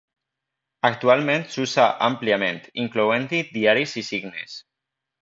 Actualment s'usa àmpliament, incloent-hi diaris i signes.